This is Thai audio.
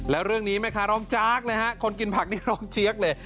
แล้วเรื่องนี้แม่ค้าร้องจากเลยฮะคนกินผักนี่ร้องเจี๊ยกเลย